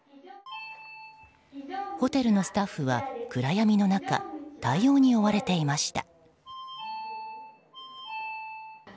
ホテルのスタッフは暗闇の中対応に追われていました。